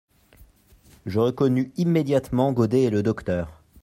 Je reconnus immédiatement Godé et le docteur.